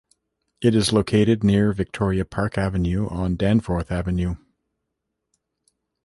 It is located near Victoria Park Avenue and Danforth Avenue.